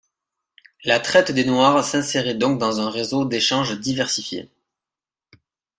La traite des Noirs s'insérait donc dans un réseau d'échanges diversifiés.